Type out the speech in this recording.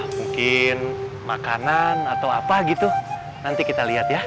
mungkin makanan atau apa gitu nanti kita lihat ya